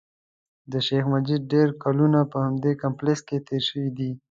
د شیخ مجید ډېر کلونه په همدې کمپلېکس کې تېر شوي دي.